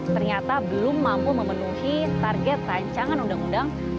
ternyata belum mampu memenuhi target rancangan undang undang